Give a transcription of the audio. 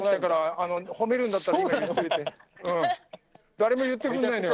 誰も言ってくれないのよ